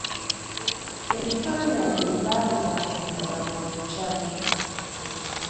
Ebifaananyi baabibakubiranga mu lugya.